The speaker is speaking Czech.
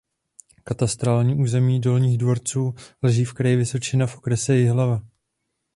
Katastrální území Dolních Dvorců leží v kraji Vysočina v okrese Jihlava.